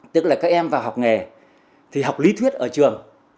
tức là các em vào học nghề thì học lý thuyết ở trường